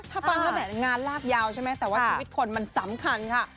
ถ้าฟังก็แบบงานลาบยาวใช่ไหมแต่ว่าทีวิทย์คนมันสำคัญค่ะ